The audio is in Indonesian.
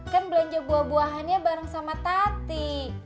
kan belanja buah buahannya bareng sama tati